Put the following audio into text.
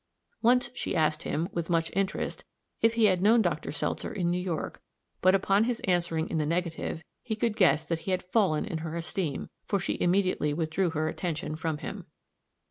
Once she asked him, with much interest, if he had known Dr. Seltzer in New York, but upon his answering in the negative, he could guess that he had fallen in her esteem, for she immediately withdrew her attention from him.